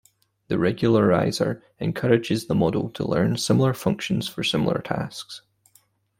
The regularizer encourages the model to learn similar functions for similar tasks.